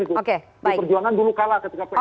di perjuangan dulu kalah